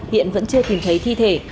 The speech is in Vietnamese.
hiện vẫn chưa tìm thấy thi thể